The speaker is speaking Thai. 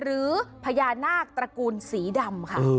หรือพญานาคตระกูลสีดำค่ะ